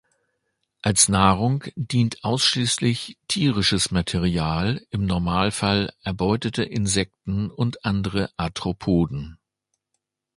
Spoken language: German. Als Nahrung dient ausschließlich tierisches Material, im Normalfall erbeutete Insekten und andere Arthropoden.